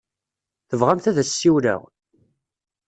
Tebɣamt ad as-ssiwleɣ?